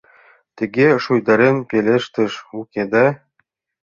— Ты-ге... — шуйдарен пелештыш Укеда.